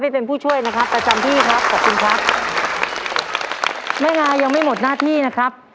เป็นผู้ช่วยนะครับประจำที่ครับขอบคุณครับแม่งายังไม่หมดหน้าที่นะครับ